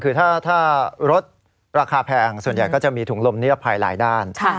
คือถ้ารถราคาแพงส่วนใหญ่ก็จะมีถุงลมนิรภัยหลายด้าน